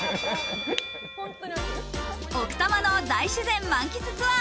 奥多摩の大自然満喫ツアー。